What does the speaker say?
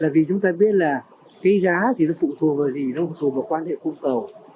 vì chúng ta biết là cái giá thì nó phụ thuộc vào gì nó thuộc vào quan hệ cung cầu